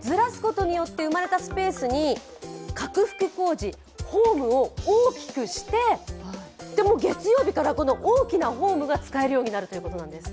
ずらすことによって生まれたスペースに拡幅工事ホームを大きくして、月曜日から、大きなホームが使えるようになるということなんです。